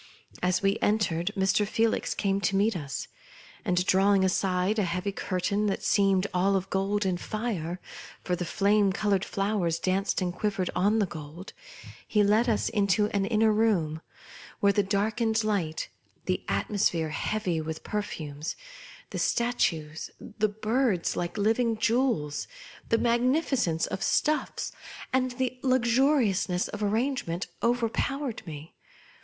As we entered, Mr. Felix came to meet us ; and drawing aside a heavy curtain that Bcemed all of gold and fire — for the flame coloured flowers danced and quivered on the gold — he led us into an inner room, where the darkened light, the atmosphere heavy with perfumes, the statues, the birds like liv ing jewels, the magnificence of stufis, and the luxuriousness of arrangement overpowered me.